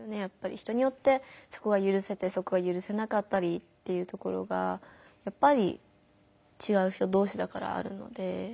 人によってそこはゆるせたりそこはゆるせなかったりというところがやっぱりちがう人同士だからあるので。